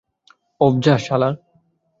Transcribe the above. Of যা, শালা।